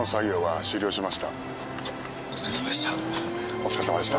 お疲れさまでした。